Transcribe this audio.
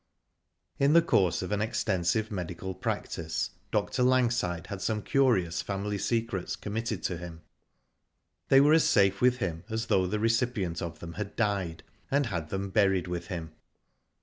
In the course of an extensive practice, Dr, Digitized byGoogk HERBERT GOLDING, MX.A. 139 Langside had some curious family secrets com mitted to him. They were as safe with him as though the recipient of them had died, and had them buried with him.